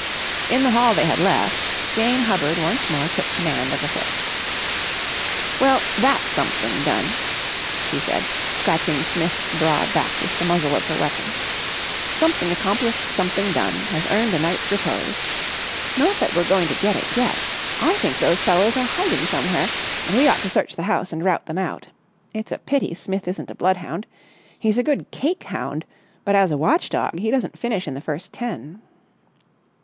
In the hall they had left, Jane Hubbard once more took command of affairs. "Well, that's something done," she said, scratching Smith's broad back with the muzzle of her weapon. "Something accomplished, something done, has earned a night's repose. Not that we're going to get it yet. I think those fellows are hiding somewhere, and we ought to search the house and rout them out. It's a pity Smith isn't a bloodhound. He's a good cake hound, but as a watch dog he doesn't finish in the first ten."